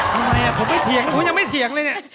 ทำไมผมไม่เถียงผมยังไม่เถียงเลยเนี่ย